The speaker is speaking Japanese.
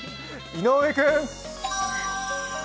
井上君。